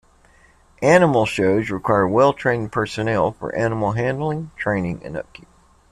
Animal shows require well-trained personnel for animal handling, training, and upkeep.